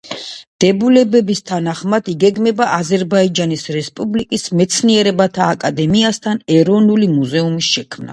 დებულების თანახმად იგეგმება აზერბაიჯანის რესპუბლიკის მეცნიერებათა აკადემიასთან ეროვნული მუზეუმის შექმნა.